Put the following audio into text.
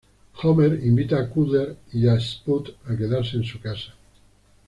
Homer invita a Cooder y a Spud a quedarse en su casa.